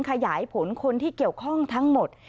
ขยายผลคนที่เกี่ยวข้องทั้งหมด